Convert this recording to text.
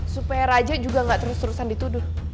supaya raja juga gak terus terusan dituduh